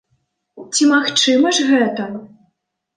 Ці магчыма ж гэта?